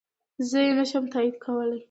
زه يي نشم تاييد کولی